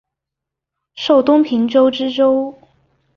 授东平州知州。